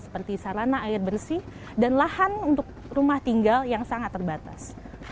seperti sarana air bersih dan lahan untuk rumah tinggal yang sangat terbatas